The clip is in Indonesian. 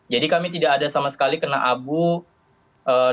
jadi kami tidak ada sama sekali kena abu dari dalam kawah